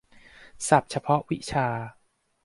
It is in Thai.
ศัพท์เฉพาะวิชา